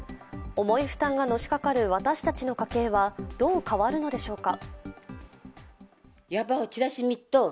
重い負担がのしかかる私たちの家計はどう変わるのでしょうか。